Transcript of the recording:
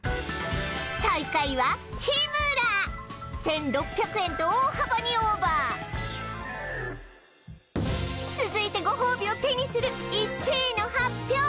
最下位は日村１６００円と大幅にオーバー続いてごほうびを手にする１位の発表